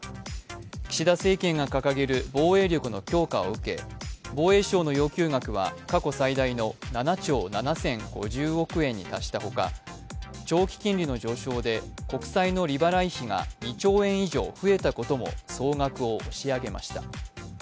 岸田政権が掲げる防衛力の強化を受け防衛省の要求額は過去最大の７兆７０５０億円に達したほか長期金利の上昇で、国債の利払い費が２兆円以上増えたことも、総額を押し上げました。